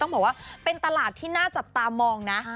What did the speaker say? บอกว่าเป็นตลาดที่น่าจับตามองนะ